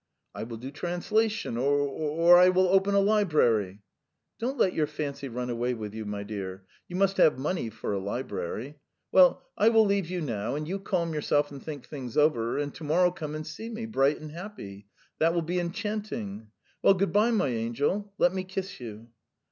"I will do translation, or ... or I will open a library ...." "Don't let your fancy run away with you, my dear. You must have money for a library. Well, I will leave you now, and you calm yourself and think things over, and to morrow come and see me, bright and happy. That will be enchanting! Well, good bye, my angel. Let me kiss you."